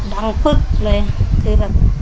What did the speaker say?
ปึ๊กเลยคือแบบ